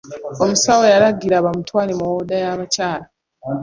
Omusawo yalagira bamutwale mu wooda y'abakyala.